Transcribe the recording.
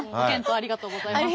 ありがとうございます。